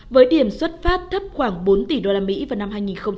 với điểm xuất phát thấp khoảng bốn tỷ usd vào năm hai nghìn một mươi tám